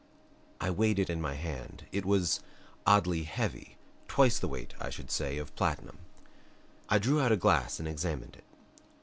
I weighed it in my hand. It was oddly heavy, twice the weight, I should say, of platinum. I drew out a glass and examined it.